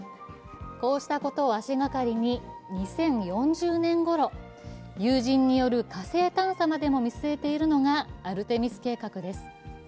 こうしたことを足がかりに２０４０年ごろ有人による火星探査までも見据えているのがアルテミス計画です。